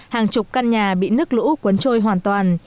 hàng chục căn nhà bị nước lũ cuốn trôi hoàn toàn